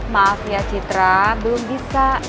maaf ya citra belum bisa